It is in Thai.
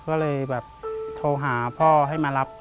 ก็เลยแบบโทรหาพ่อให้มารับ